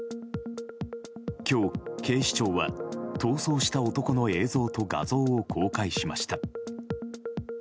今日、警視庁は逃走した男の映像と画像を公開しました。